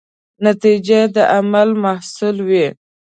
نتیجه د عمل محصول وي.